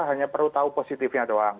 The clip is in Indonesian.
hanya perlu tahu positifnya doang